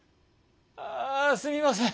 ああすみません